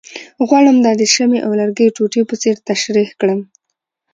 غواړم دا د شمعې او لرګیو ټوټې په څېر تشریح کړم،